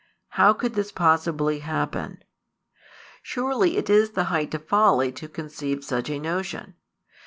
How could this possibly happen? Surely it is the height of folly to conceive such a notion.